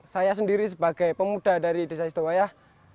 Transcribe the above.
saya sendiri sebagai pemuda dari desa istowayah